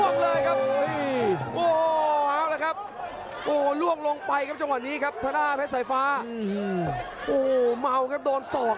กล้าออกอาวุธจริงครับทะดานเจ้าเพชรสายฟ้าทิ้งด้วยมันขวาเดินด้วยทางซ้าย